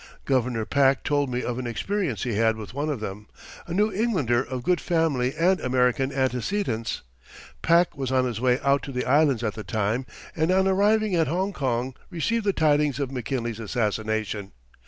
Governor Pack told me of an experience he had with one of them a New Englander of good family and American antecedents. Pack was on his way out to the Islands at the time, and on arriving at Hongkong received the tidings of McKinley's assassination.